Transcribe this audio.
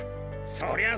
そりゃ